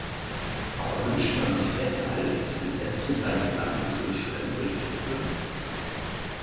Aber wünscht man sich deshalb die Besetzung seines Landes durch fremde Truppen?